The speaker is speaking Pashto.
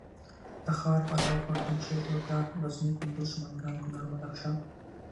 تخار فراه غور پنجشېر جوزجان غزني کندوز سمنګان کونړ بدخشان